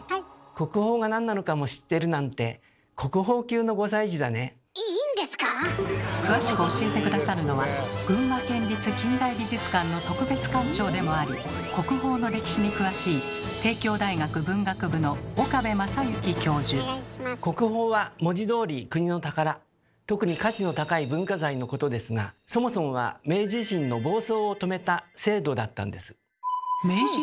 「国宝」が何なのかも知ってるなんていいいんですか⁉詳しく教えて下さるのは群馬県立近代美術館の特別館長でもあり国宝の歴史に詳しい「国宝」は文字どおり「国の宝」「特に価値の高い文化財」のことですがそもそもは明治維新の暴走を止めた？